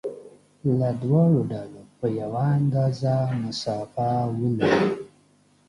له دواړو ډلو په یوه اندازه مسافه ولري.